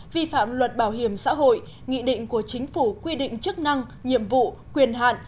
vi phạm luật bảo hiểm xã hội nghị định của chính phủ quy định chức năng nhiệm vụ quyền hạn